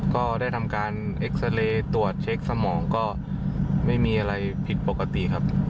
ก็ได้ทำการเอ็กซาเรย์ตรวจเช็คสมองก็ไม่มีอะไรผิดปกติครับ